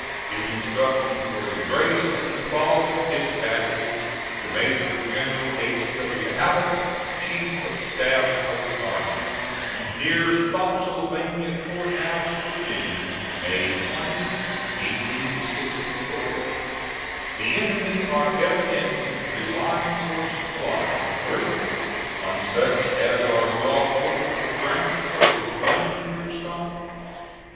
His instructions were embraced in the following dispatches to Major General H. W. Halleck, chief of staff of the army: "NEAR SPOTTSYLVANIA COURT HOUSE, VA. "May 20, 1864. "The enemy are evidently relying for supplies greatly on such as are brought over the branch road running through Staunton.